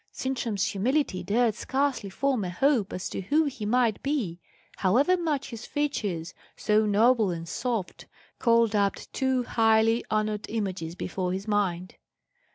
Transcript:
Sintram's humility dared scarcely form a hope as to who he might be, however much his features, so noble and soft, called up two highly honoured images before his mind.